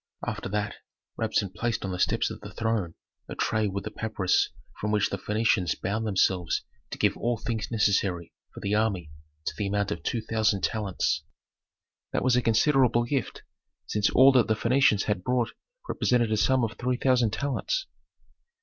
After that, Rabsun placed on the steps of the throne a tray with the papyrus by which the Phœnicians bound themselves to give all things necessary for the army to the amount of two thousand talents. That was a considerable gift, since all that the Phœnicians had brought represented a sum of three thousand talents.